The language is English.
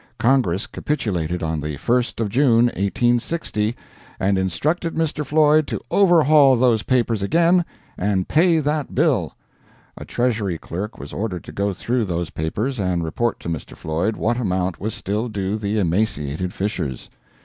Congress capitulated on the 1st of June, 1860, and instructed Mr. Floyd to overhaul those papers again, and pay that bill. A Treasury clerk was ordered to go through those papers and report to Mr. Floyd what amount was still due the emaciated Fishers.